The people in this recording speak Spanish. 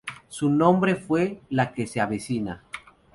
Su nombre fue La que se avecina.